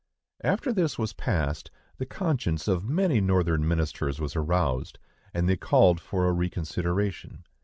After this was passed, the conscience of many Northern ministers was aroused, and they called for a reconsideration.